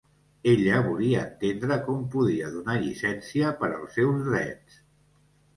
Ella volia entendre com podia donar llicència per als seus drets.